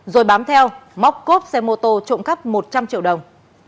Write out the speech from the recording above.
rồi bám theo móc cốt xe ô tô trộm cắp một trăm linh triệu đồng